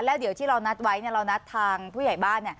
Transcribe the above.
แล้วเดี๋ยวที่เรานัดไว้เรานัดทางผู้ใหญ่บ้าน